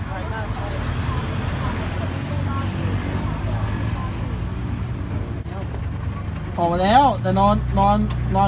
ออกมาแล้วแต่นอนก็ได้ท้อง